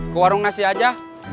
ke warung nasi aja